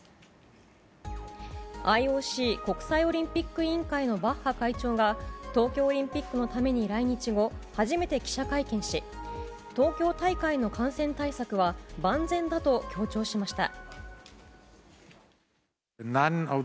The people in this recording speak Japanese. ＩＯＣ・国際オリンピック委員会のバッハ会長が東京オリンピックのために来日後初めて記者会見し東京大会の感染対策は万全だと強調しました。